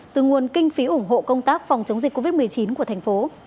từ nguồn kinh phí ủng hộ công tác phòng chống dịch covid một mươi chín của thành phố